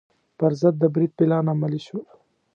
پر ضد د برید پلان عملي شو.